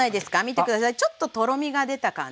ちょっととろみが出た感じ。